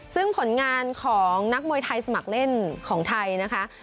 ซึ่งผลงานของนักมวยไทยสมัครเล่นของไทยนะคะ